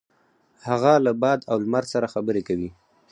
هغه له باد او لمر سره خبرې کوي.